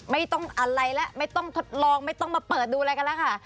ไม่ต้องอะไรแล้วไม่ต้องทดลองไม่ต้องมาเปิดดูอะไรกันแล้วค่ะ